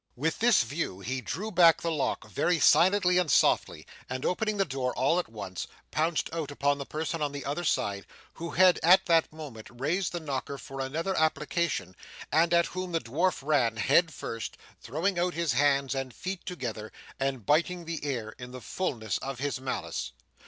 With this view, he drew back the lock very silently and softly, and opening the door all at once, pounced out upon the person on the other side, who had at that moment raised the knocker for another application, and at whom the dwarf ran head first: throwing out his hands and feet together, and biting the air in the fulness of his malice.